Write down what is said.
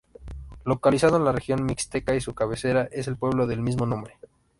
Localizado en la región Mixteca y su cabecera es el pueblo del mismo nombre.